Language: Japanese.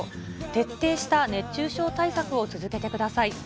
徹底した熱中症対策を続けてください。